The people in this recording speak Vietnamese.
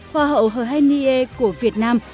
hoa hậu heo hei nie của việt nam